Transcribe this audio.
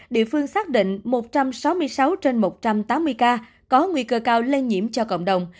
địa phương xác định một trăm sáu mươi sáu trên một trăm tám mươi ca có nguy cơ cao lây nhiễm cho cộng đồng